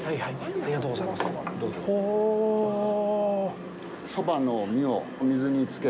ありがとうございます。